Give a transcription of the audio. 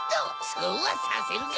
そうはさせるか。